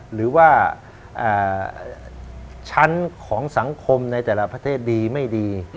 หรือว่าชั้นของสังคมในแต่ละประเทศดีไม่ดี